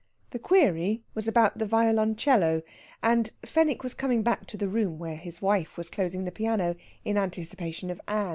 The query was about the violoncello, and Fenwick was coming back to the room where his wife was closing the piano in anticipation of Ann.